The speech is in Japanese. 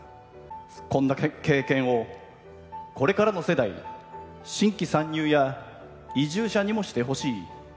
そんな経験を、これからの世代新規参入や移住者にもしてほしい。